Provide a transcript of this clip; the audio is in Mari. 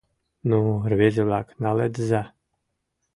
— Ну, рвезе-влак, наледыза.